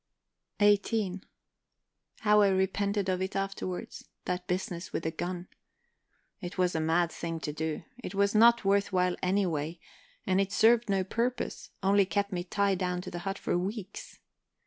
XVIII How I repented of it afterward that business with the gun. It was a mad thing to do. It was not worth while any way, and it served no purpose, only kept me tied down to the hut for weeks.